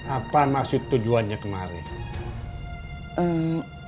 apa maksud tujuannya kemaren